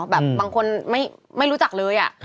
บางคนไม่รู้จักเลย